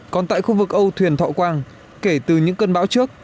còn tại khu vực âu thuyền thọ quang kể từ những cơn bão trước